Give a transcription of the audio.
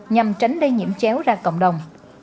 nhằm tránh lây nhiễm chéo ra cộng đồng